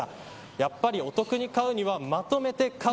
やっぱりお得に買うにはまとめて買う。